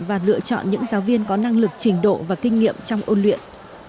và lựa chọn những giáo viên có năng lực trình độ và kinh nghiệm trong ôn luyện